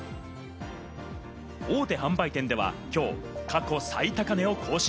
大手販売店では今日、過去最高値を更新。